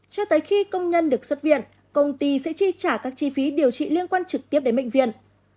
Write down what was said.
cho tới khi công nhân được xuất viện công ty sẽ chi trả các chi phí điều trị liên quan trực tiếp đến bệnh viện